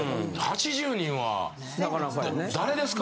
８０人は誰ですか？